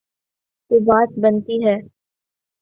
تو بات بنتی ہے۔